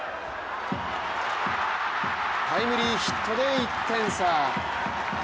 タイムリーヒットで１点差。